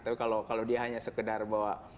tapi kalau dia hanya sekedar bawa